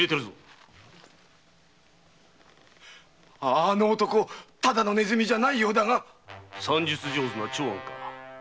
あの男ただのネズミじゃないようだが算術上手の長庵か。